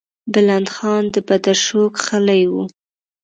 بلند خان د بدرشو کښلې وه.